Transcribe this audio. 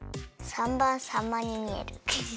３ばんさんまにみえる。